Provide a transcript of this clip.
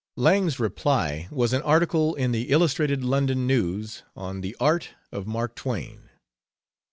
Lang's reply was an article in the Illustrated London News on "The Art of Mark Twain."